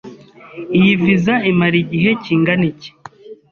Iyi viza imara igihe kingana iki?